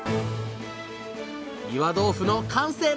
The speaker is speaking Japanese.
岩豆腐の完成です！